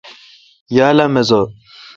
یال اؘ مزہ۔